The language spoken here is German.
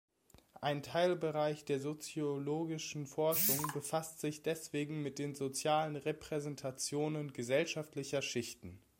Ein Teilbereich der soziologischen Forschung befasst sich deswegen mit den sozialen Repräsentationen gesellschaftlicher Schichten.